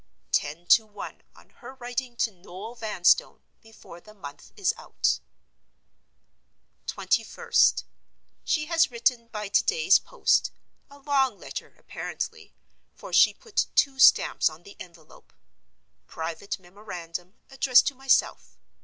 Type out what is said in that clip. Ten to one, on her writing to Noel Vanstone before the month is out. 21st.—She has written by to day's post. A long letter, apparently—for she put two stamps on the envelope. (Private memorandum, addressed to myself.